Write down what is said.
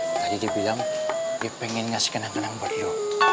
tadi dia bilang dia pengen ngasih kenang kenang buat dia